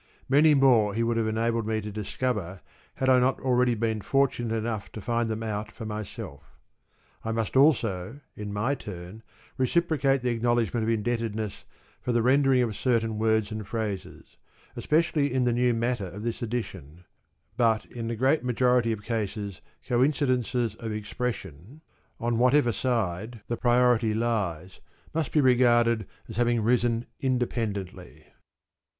Many more he would have enabled me to discover had I not already been fortunate enough to find them out for myself. I must also, in my turn, reciprocate the acknowledgment of indebtedness for "the rendering of certain words and phrases," especially in the new matter of this edition ; but in the great majority of cases coincidences of expression, on whichever side the priority lies, must be regarded as having risen inde pendently.